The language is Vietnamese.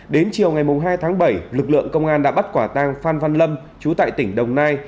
đến chiều ngày hai tháng bảy lực lượng công an đã bắt quả tang phan văn lâm chú tại tỉnh đồng nai